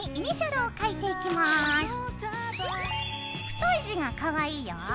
太い字がかわいいよ。